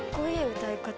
歌い方。